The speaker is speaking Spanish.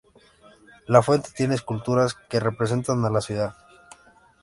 La fuente tiene esculturas que representan a la ciudad.